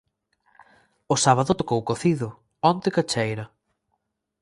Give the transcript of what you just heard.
O sábado tocou cocido, onte cacheira...